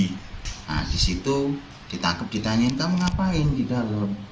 nah disitu ditangkep ditanyakan kamu ngapain di dalam